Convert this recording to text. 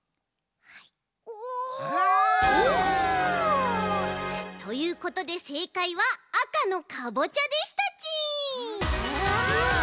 お！ということでせいかいは赤のかぼちゃでしたち！